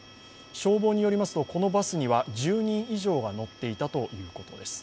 消防によりますと、このバスには１０人以上が乗っていたということです。